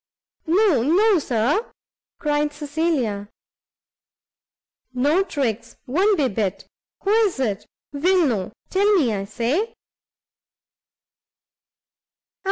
"No, no, Sir," cried Cecilia. "No tricks! won't be bit! who is it? will know; tell me, I say!"